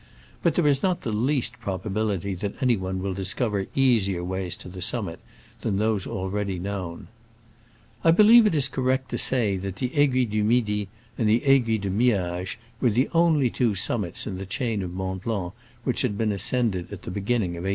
But there is not the least probability that any one will discover easier ways to the summit than those already known. I believe it is correct to say that the Aiguille du Midi and the Aiguille de Miage were the only two summits in the chain of Mont Blanc which had been ascended at the beginning of 1864.